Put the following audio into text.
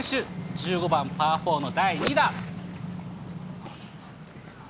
１５番パー４の第２打。